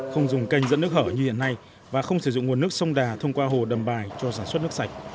không dùng kênh dẫn nước hở như hiện nay và không sử dụng nguồn nước sông đà thông qua hồ đầm bài cho sản xuất nước sạch